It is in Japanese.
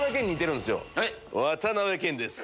渡辺謙です。